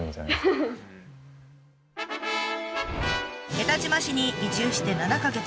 江田島市に移住して７か月。